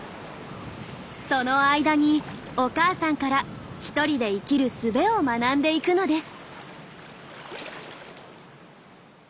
その間にお母さんから１人で生きるすべを学んでいくのです。